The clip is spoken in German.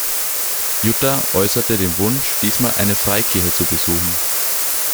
Jutta äußerte den Wunsch, diesmal eine Freikirche zu besuchen.